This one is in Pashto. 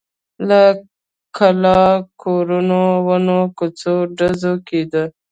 له کلاوو، کورونو، ونو، کوڅو… ډزې کېدې.